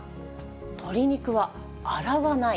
鶏肉は洗わない。